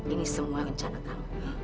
ini semua rencana kamu